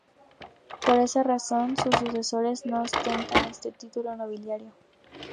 Por esa razón sus sucesores no ostentan este título nobiliario.